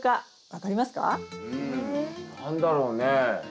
何だろうね？